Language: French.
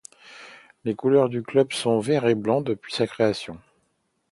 Les couleurs du club sont vert et blanc depuis sa création.